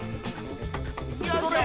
よいしょ！